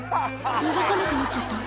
動かなくなっちゃった。